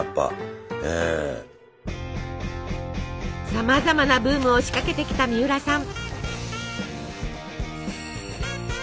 さまざまなブームを仕掛けてきたみうらさん。